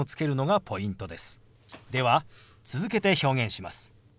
では続けて表現します。